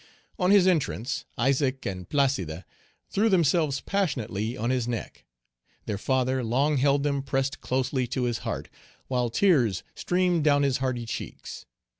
On his entrance, Isaac and Placide threw themselves passionately on his neck. Their father long held them pressed closely to his heart, while tears streamed down his hardy cheeks.